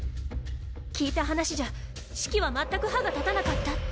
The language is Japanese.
聞いた話じゃシキは全く歯が立たなかったって。